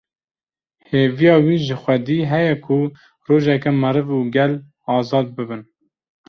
Hêviya wî ji Xwedî heye ku rojeke meriv û gel azad bibin